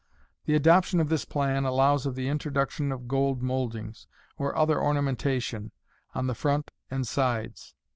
The adoption of this plan allows of the introduction of gold mouldings, or other ornamentation, on the front and sides.